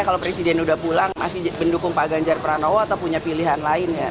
kalau presiden udah pulang masih mendukung pak ganjar pranowo atau punya pilihan lain ya